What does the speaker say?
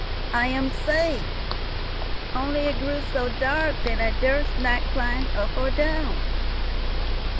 I am safe; only it grew so dark that I durst not climb up or down."